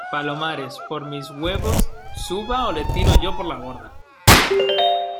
palomares, por mis huevos , suba o le tiro yo por la borda.